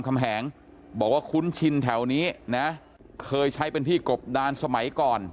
คำแหงบอกว่าคุ้นชินแถวนี้นะเคยใช้เป็นที่กบดานสมัยก่อน